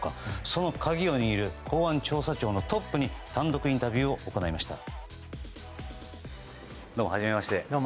その鍵を握る公安調査庁のトップに単独インタビューを行いました。